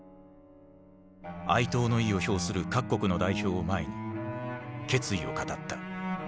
哀悼の意を表する各国の代表を前に決意を語った。